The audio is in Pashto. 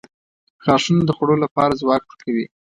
• غاښونه د خوړلو لپاره ځواک ورکوي.